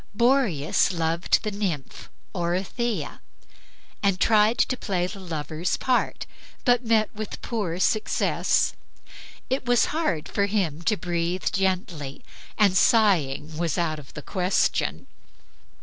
Boreas loved the nymph Orithyia, and tried to play the lover's part, but met with poor success. It was hard for him to breathe gently, and sighing was out of the question.